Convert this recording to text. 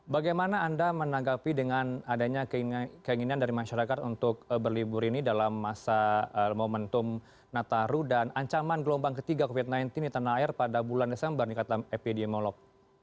bagaimana anda menanggapi dengan adanya keinginan dari masyarakat untuk berlibur ini dalam masa momentum nataru dan ancaman gelombang ketiga covid sembilan belas di tanah air pada bulan desember nih kata epidemiolog